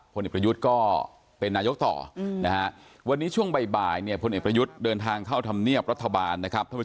พลเอกประยุทธ์ก็เป็นนายกต่อวันนี้ช่วงบ่ายพลเอกประยุทธ์เดินทางเข้าธรรมเนียบรัฐบาล